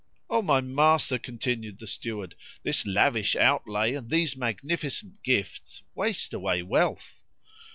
"O my master," continued the Steward, "this lavish outlay and these magnificent gifts waste away wealth."